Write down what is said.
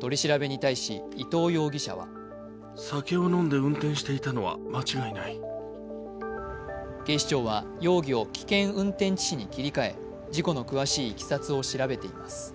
取り調べに対し、伊東容疑者は警視庁は容疑を危険運転致死に切り替え事故の詳しいいきさつを調べています。